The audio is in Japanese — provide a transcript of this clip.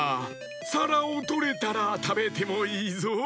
さらをとれたらたべてもいいぞ。